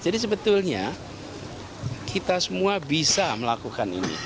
jadi sebetulnya kita semua bisa melakukan ini